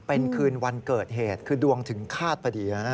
เป็นคืนวันเกิดเหตุคือดวงถึงคาดพอดี